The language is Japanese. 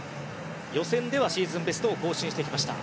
予選ではシーズンベストを更新してきました。